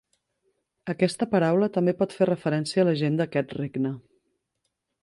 Aquesta paraula també pot fer referència a la gent d'aquest regne.